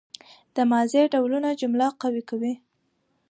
د ماضي ډولونه جمله قوي کوي.